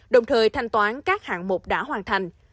đồng thời thanh toán các hạng mục đã hoàn thành